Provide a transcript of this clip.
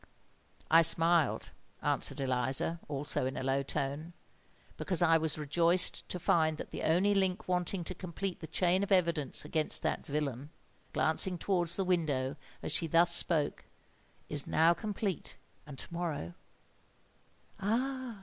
"I smiled," answered Eliza, also in a low tone, "because I was rejoiced to find that the only link wanting to complete the chain of evidence against that villain"—glancing towards the window as she thus spoke—"is now complete;—and to morrow——" "Ah!